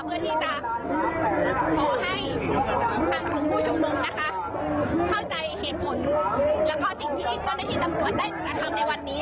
เพื่อที่จะขอให้ทางกลุ่มผู้ชุมนุมนะคะเข้าใจเหตุผลแล้วก็สิ่งที่เจ้าหน้าที่ตำรวจได้กระทำในวันนี้